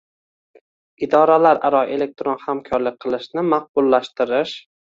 idoralararo elektron hamkorlik qilishni maqbullashtirish;